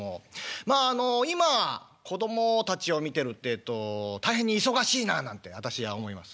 まあ今子供たちを見てるってえと大変に忙しいななんて私は思います。